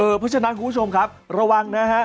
เพราะฉะนั้นคุณผู้ชมครับระวังนะฮะ